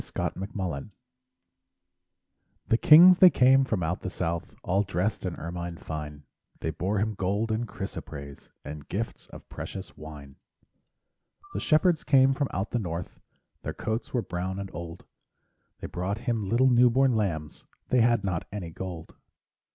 Christmas Carol The kings they came from out the south, All dressed in ermine fine, They bore Him gold and chrysoprase, And gifts of precious wine. The shepherds came from out the north, Their coats were brown and old, They brought Him little new born lambs They had not any gold.